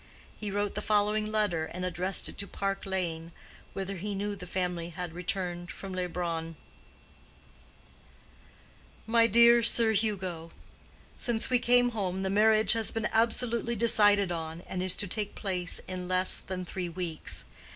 He wrote the following letter, and addressed it to Park Lane, whither he knew the family had returned from Leubronn: MY DEAR SIR HUGO—Since we came home the marriage has been absolutely decided on, and is to take place in less than three weeks.